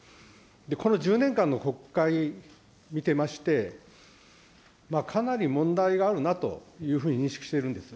この１０年間の国会見てまして、かなり問題があるなというふうに認識しているんです。